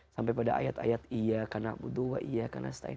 sampai pada ayat ayat iya kanakmu dua iya kanastain